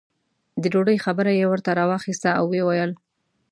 د ډوډۍ خبره یې ورته راواخسته او یې وویل.